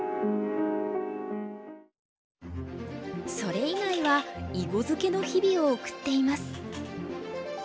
それ以外は囲碁漬けの日々を送っています。